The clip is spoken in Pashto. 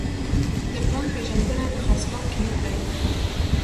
د برانډ پیژندنه د خرڅلاو کلید دی.